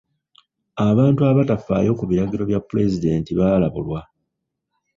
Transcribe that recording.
Abantu abatafaayo ku biragiro bya pulezidenti baalabulwa.